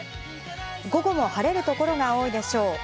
午後も晴れる所が多いでしょう。